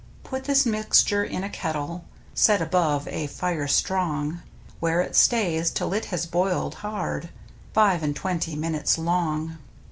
Put this mixture in a kettle Set above a fire strong, Where it stays till it has boiled hard Five and twentv minutes long.